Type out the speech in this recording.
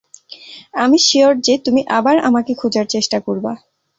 আমি শিওর যে তুমি আবার আমাকে খুঁজার চেষ্টা করবা!